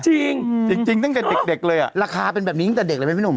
จริงจริงตั้งแต่เด็กเลยอ่ะราคาเป็นแบบนี้ตั้งแต่เด็กเลยไหมพี่หนุ่ม